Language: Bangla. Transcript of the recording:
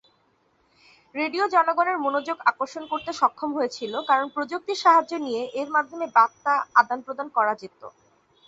রেডিও জনগণের মনোযোগ আকর্ষণ করতে সক্ষম হয়েছিল কারণ প্রযুক্তির সাহায্য নিয়ে এর মাধ্যমে বার্তা আদান প্রদান করা যেত।